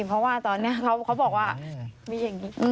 เพราะว่าตอนนี้เขาบอกว่ามีอย่างนี้